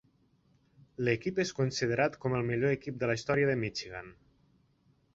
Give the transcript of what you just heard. L'equip és considerat com el millor equip de la història de Michigan.